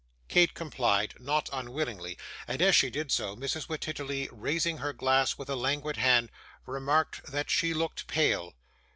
Kate complied, not unwillingly; and, as she did so, Mrs. Wititterly raising her glass with a languid hand, remarked, that she looked pale.